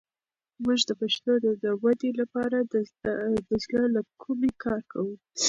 موږ د پښتو د ودې لپاره د زړه له کومې کار کوو.